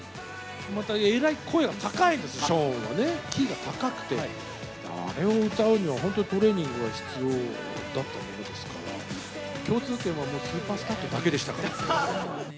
またえらい声が高いんです、ショーンはね、キーが高くて、あれを歌うには、本当にトレーニングが必要だったものですから、共通点はもうスーパースターってだけでしたから。